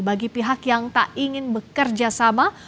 bagi pihak yang tak ingin bekerja sama